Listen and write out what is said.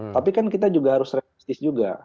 tapi kan kita juga harus realistis juga